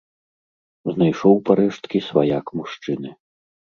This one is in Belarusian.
Знайшоў парэшткі сваяк мужчыны.